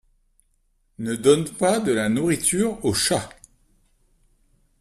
Ne donne pas de la nourriture au chat.